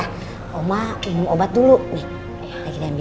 nanti nah ini rena ketemu omanya nanti dulu ya